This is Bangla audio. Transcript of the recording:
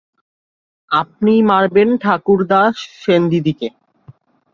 আপনিই মারবেন ঠাকুরদা সেনদিদিকে।